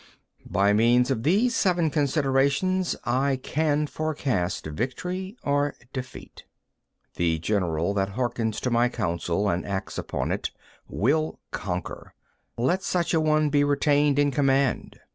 14. By means of these seven considerations I can forecast victory or defeat. 15. The general that hearkens to my counsel and acts upon it, will conquer: let such a one be retained in command!